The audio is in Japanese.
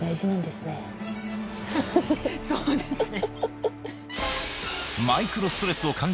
そうですね。